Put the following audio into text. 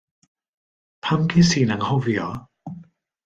Pam ges i'n anghofio?